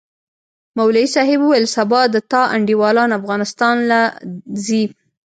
مولوي صاحب وويل سبا د تا انډيوالان افغانستان له زي.